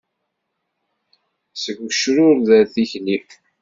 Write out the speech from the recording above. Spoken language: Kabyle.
Seg ucrured ar tikli.